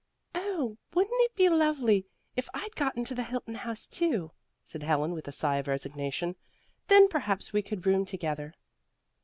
"Oh, wouldn't it be lovely if I'd got into the Hilton house too!" said Helen with a sigh of resignation. "Then perhaps we could room together."